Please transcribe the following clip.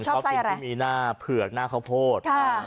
ชอบกินที่มีหน้าเผือกหน้าข้าวโพด